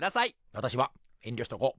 わたしは遠慮しとこう。